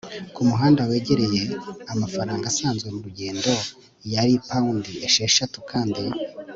kumuhanda wegereye. amafaranga asanzwe murugendo yari pound esheshatu kandi